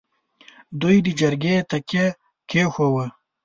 دوی د جرګې تیګه کېښووه.